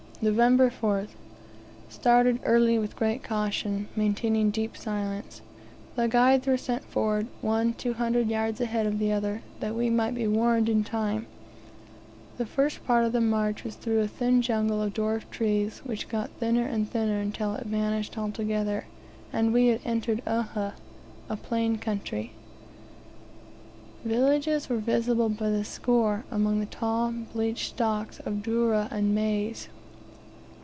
November 4th. Started early with great caution, maintaining deep silence. The guides were sent forward, one two hundred yards ahead of the other, that we might be warned in time. The first part of the march was through a thin jungle of dwarf trees, which got thinner and thinner until finally it vanished altogether, and we had entered Uhha a plain country. Villages were visible by the score among the tall bleached stalks of dourra and maize.